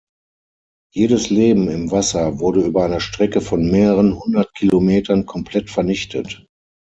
Jedes Leben im Wasser wurde über eine Strecke von mehreren hundert Kilometern komplett vernichtet.